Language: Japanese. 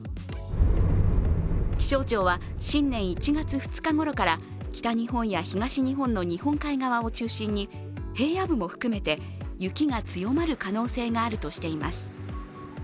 気象庁は新年１月２日ごろから北日本や東日本の日本海側を中心に平野部も含めて、雪が強まる可能性があるとしています。